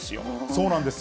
そうなんですよ。